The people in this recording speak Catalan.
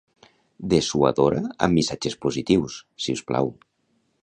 Dessuadora amb missatges positius, siusplau.